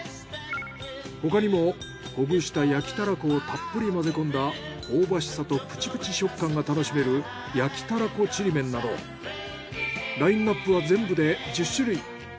他にもほぐした焼たらこをたっぷり混ぜ込んだ香ばしさとプチプチ食感が楽しめるラインナップは全部で１０種類。